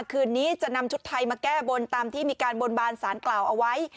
คืนนี้จะนำชุดไทยมาแก้บนตามที่มีการบนบานสารกล่าวเอาไว้